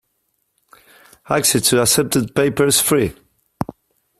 Access to accepted papers is free.